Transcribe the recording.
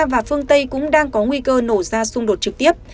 ngoài ra phương tây cũng đang có nguy cơ nổ ra xung đột trực tiếp